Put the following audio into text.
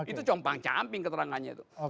itu compang camping keterangannya itu